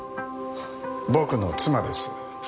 僕の妻です。